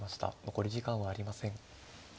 残り時間はありません。